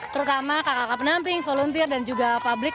terutama kakak kakak penamping volunteer dan juga publik